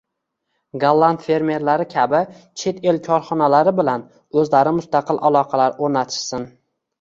golland fermerlari kabi chet el korxonalari bilan o‘zlari mustaqil aloqalar o‘rnatishsin